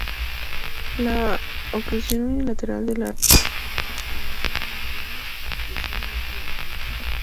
La oclusión unilateral de la arteria vertebral genera síntomas variables y usualmente benignos.